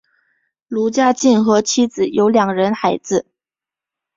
卢家进和妻子有两人孩子。